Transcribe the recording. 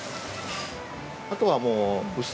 あとはもう。